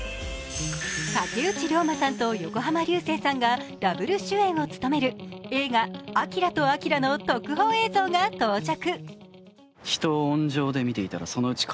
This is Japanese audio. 竹内涼真さんと横浜流星さんがダブル主演を務める映画「アキラとあきら」の特報映像が到着。